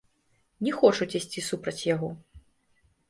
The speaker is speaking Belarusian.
Не хочуць ісці супраць яго.